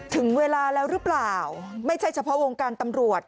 ถึงเวลาแล้วหรือเปล่าไม่ใช่เฉพาะวงการตำรวจ